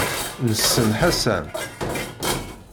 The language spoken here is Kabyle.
Nessen Ḥasan.